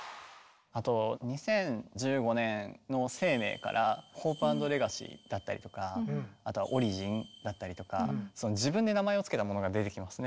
あと２０１５年の「ＳＥＩＭＥＩ」から「Ｈｏｐｅ＆Ｌｅｇａｃｙ」だったりとかあとは「Ｏｒｉｇｉｎ」だったりとか自分で名前を付けたものが出てきますね。